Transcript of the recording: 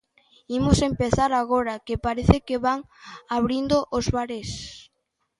Imos empezar agora, que parece que van abrindo os bares.